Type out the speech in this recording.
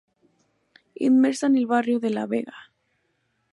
Inmersa en el barrio de la Vega.